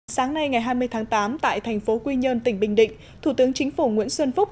sáng nay ngày hai mươi tháng tám tại thành phố quy nhơn tỉnh bình định thủ tướng chính phủ nguyễn xuân phúc